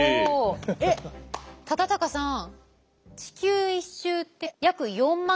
えっ忠敬さん